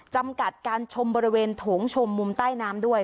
จำกัดการชมบริเวณโถงชมมุมใต้น้ำด้วย